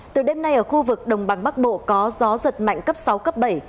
từ đêm nay ở khu vực đồng bằng bắc bộ có gió giật mạnh cấp sáu cấp bảy